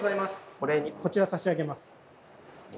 お礼にこちら差し上げます。